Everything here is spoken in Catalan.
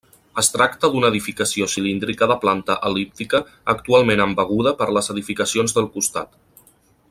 Es tracta d'una edificació cilíndrica de planta el·líptica actualment embeguda per les edificacions del costat.